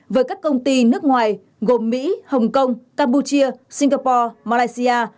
với các công ty nước ngoài gồm mỹ hồng kông campuchia singapore malaysia